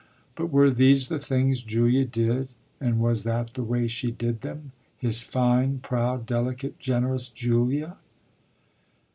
But were these the things Julia did and was that the way she did them his fine, proud, delicate, generous Julia?